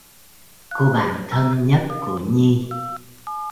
Cô bạn thân nhất của Nhi